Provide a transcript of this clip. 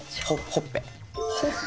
ほっぺ。